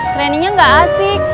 trainingnya enggak asik